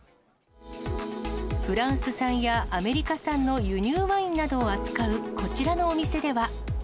フランス産やアメリカ産の輸入ワインなどを扱うこちらのお店では。